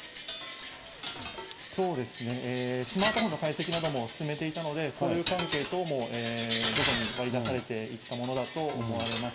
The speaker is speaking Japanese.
そうですね、スマートフォンの解析なども進めていたので、交友関係等も徐々に割り出されていったものだと思われます。